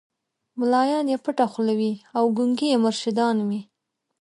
مُلایان یې پټه خوله وي او ګونګي یې مرشدان وي